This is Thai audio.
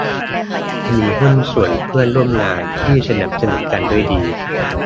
มีหุ้นส่วนเพื่อนร่วมงานที่สนับสนุนกันด้วยดี